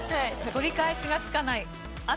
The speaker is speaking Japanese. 「取り返しがつかないあとの何？」